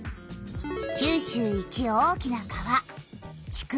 九州一大きな川「筑後川」。